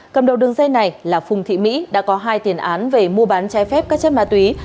cầm đầu đường dây này là phùng thị mỹ đã có hai tiền án về mua bán trái phép các chất ma túy